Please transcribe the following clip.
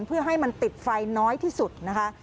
เพื่อให้มันติดไฟน้อยที่สุดนะคะ